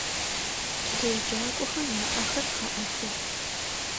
Кӏэлэеджакӏохэм аӏэхэр къаӏэты.